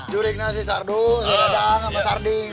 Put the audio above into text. jurik nasi sardu sedadang sama sarding